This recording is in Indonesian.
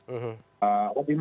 oke meriah lagi